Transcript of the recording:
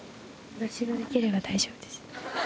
私ができれば大丈夫です。